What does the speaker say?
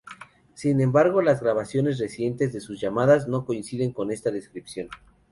Sin embargo las grabaciones recientes de sus llamadas no coinciden con esta descripción.